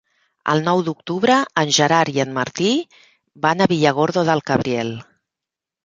El nou d'octubre en Gerard i en Martí van a Villargordo del Cabriel.